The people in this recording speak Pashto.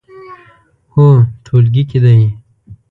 هو، ټولګي کې دی